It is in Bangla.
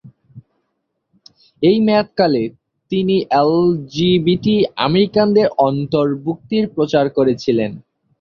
এই মেয়াদকালে, তিনি এলজিবিটি আমেরিকানদের অন্তর্ভুক্তির প্রচার করেছিলেন।